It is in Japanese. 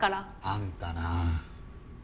あんたなぁ。